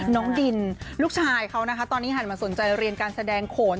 น้องดินลูกชายเขานะคะตอนนี้หันมาสนใจเรียนการแสดงโขน